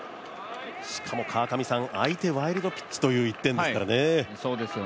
しかも相手、ワイルドピッチという１点ですからね。